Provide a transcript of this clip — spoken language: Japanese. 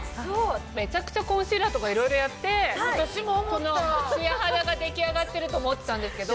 めちゃくちゃコンシーラーとかいろいろやってこのツヤ肌が出来上がってると思ってたんですけど。